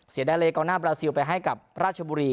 เสียดายเลยเกาหน้าบราซิลไปให้กับราชบุรี